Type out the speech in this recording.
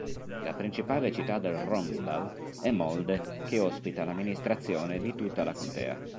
La principale città del Romsdal è Molde che ospita l'amministrazione di tutta la contea.